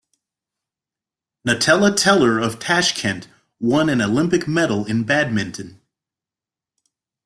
Natella Teller of Tashkent won an Olympic medal in Badminton.